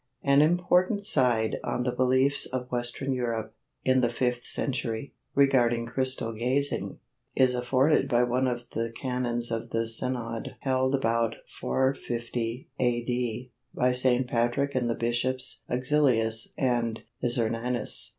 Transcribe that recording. An important side light on the beliefs of Western Europe, in the fifth century, regarding crystal gazing, is afforded by one of the canons of the synod held about 450 A.D. by St. Patrick and the bishops Auxilius and Issernanus.